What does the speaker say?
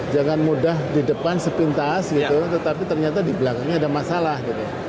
jangan mudah di depan sepintas gitu tetapi ternyata di belakangnya ada masalah gitu ya